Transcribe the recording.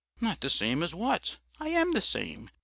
"'Not the same as what? I am the same.